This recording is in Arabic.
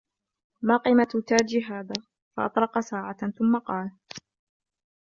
مَا قِيمَةُ تَاجِي هَذَا ؟ فَأَطْرَقَ سَاعَةً ثُمَّ قَالَ